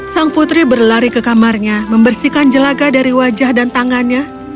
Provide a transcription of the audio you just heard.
sang putri berlari ke kamarnya membersihkan jelaga dari wajah dan tangannya